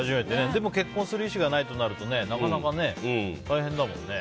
でも結婚する意思がなかったらなかなか大変だもんね。